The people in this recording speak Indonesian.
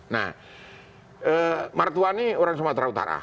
nah martuani orang sumatera utara